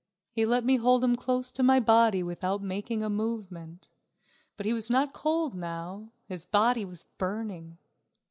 He let me hold him close to my body without making a movement. But he was not cold now; his body was burning.